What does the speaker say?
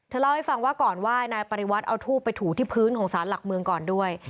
เล่าให้ฟังว่าก่อนไหว้นายปริวัติเอาทูบไปถูที่พื้นของสารหลักเมืองก่อนด้วย